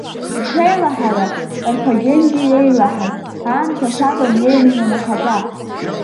Ишеилаҳара Карфагенгьы еилаҳаит, аамҭа асаба неин ианахатәа.